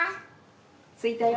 「着いたよ」